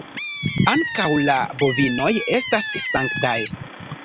Ankaŭ la bovinoj estas sanktaj.